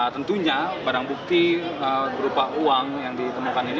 tentunya barang bukti berupa uang yang ditemukan ini